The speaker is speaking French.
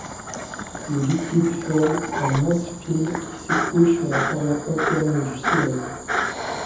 Le liquide forme un mince film qui s'écoule sur la paroi interne du cylindre.